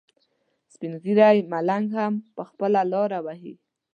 سپین ږیری ملنګ هم خپله لاره وهي.